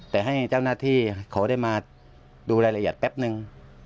แต่ให้เจ้าหน้าที่เขาได้มาดูรายละเอียดแป๊บนึง